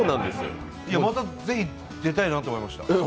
またぜひ出たいなと思いました。